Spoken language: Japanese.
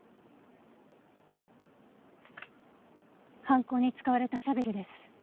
犯行に使われたシャベルです。